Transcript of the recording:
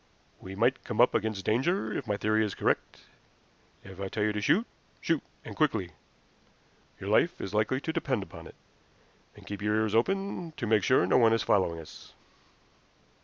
"We might come up against danger if my theory is correct. If I tell you to shoot shoot, and quickly. Your life is likely to depend upon it. And keep your ears open to make sure no one is following us."